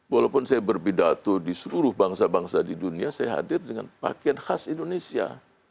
walaupun saya berpidato di seluruh bangsa bangsa di dunia saya hadir dengan pakaian khas indonesia